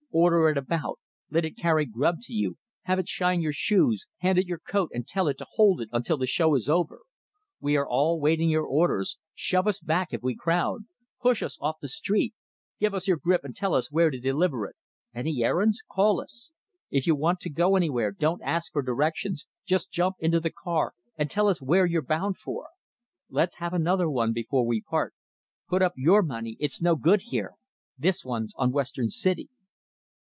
Order it about. Let it carry grub to you. Have it shine your shoes. Hand it your coat and tell it to hold it until the show is over. "We are all waiting your orders. Shove us back if we crowd. Push us off the street. Give us your grip and tell us where to deliver it. Any errands? Call us. If you want to go anywhere, don't ask for directions. Just jump into the car and tell us where you're bound for. "Let's have another one before we part. Put up your money; it's no good here. This one's on Western City."